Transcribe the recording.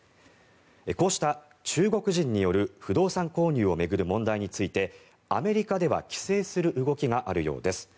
こうした中国人による不動産購入を巡る問題についてアメリカでは規制する動きがあるようです。